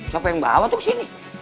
siapa yang bawa tuh kesini